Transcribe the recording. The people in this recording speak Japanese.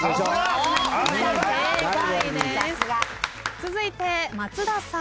続いて松田さん。